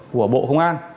của bộ công an